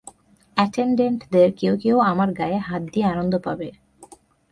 অ্যাটেনডেন্টদের কেউ কেউ আমার গায়ে হাত দিয়ে আনন্দ পাবে।